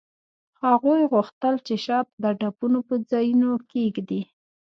هغوی غوښتل چې شات د ټپونو په ځایونو کیږدي